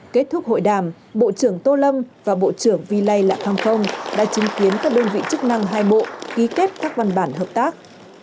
kết thúc hội đàm bộ trưởng tô lâm và bộ trưởng vy lai lạc hồng kông đã chứng kiến các đơn vị chức năng hai bộ ký kết các văn bản hợp tác